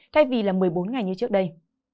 thay vì là một mươi bốn ngày như trước đây